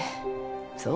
そう？